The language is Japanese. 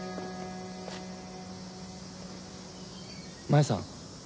真夢さん